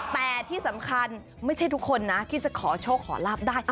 แต่ที่สำคัญไม่ใช่ทุกคนนะที่จะขอโชคขอลาบได้